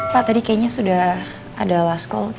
pak tadi kayaknya sudah ada last call